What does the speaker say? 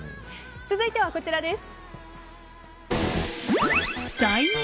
続いては、こちらです。